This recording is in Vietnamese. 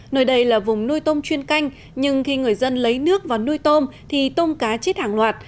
nơi đây là vùng nuôi tôm chuyên canh nhưng khi người dân lấy nước vào nuôi tôm thì tôm cá chết hàng loạt